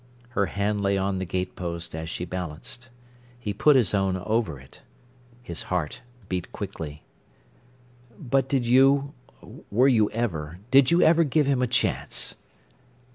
Her hand lay on the gate post as she balanced. He put his own over it. His heart beat quickly. "But did you—were you ever—did you ever give him a chance?"